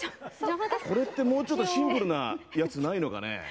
これってもうちょっとシンプルなやつないのかね。